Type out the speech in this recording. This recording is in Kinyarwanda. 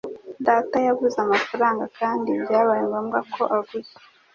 Data yabuze amafaranga kandi byabaye ngombwa ko aguza